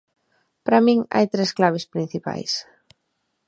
Para min hai tres claves principais.